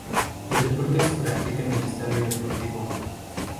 El deporte se practica en el Estadio Deportivo.